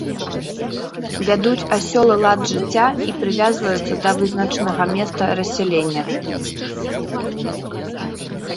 Вядуць аселы лад жыцця і прывязваюцца да вызначанага месца рассялення.